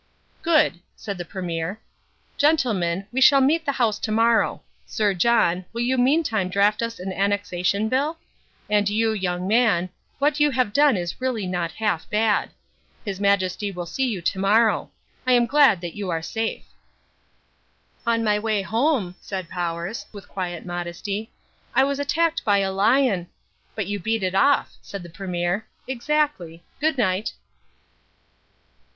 "Good," said the Premier. "Gentlemen, we shall meet the House to morrow. Sir John, will you meantime draft us an annexation bill? And you, young man, what you have done is really not half bad. His Majesty will see you to morrow. I am glad that you are safe." "On my way home," said Powers, with quiet modesty, "I was attacked by a lion " "But you beat it off," said the Premier. "Exactly. Good night."